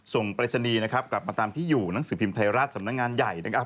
ส่งปริศนีย์กลับมาตามที่อยู่หนังสือพิมพ์ไทยรัฐสำนักงานใหญ่